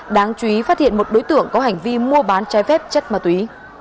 đáng chú ý phát hiện một đối tượng có hành vi mua bán trái phép chất ma túy